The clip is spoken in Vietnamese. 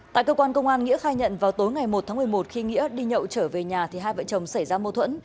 tại cơ quan công an nghĩa khai nhận vào tối ngày một tháng một mươi một khi nghĩa đi nhậu trở về nhà thì hai vợ chồng xảy ra mâu thuẫn